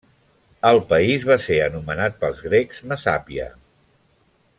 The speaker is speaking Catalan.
El país va ser anomenat pels grecs Messàpia.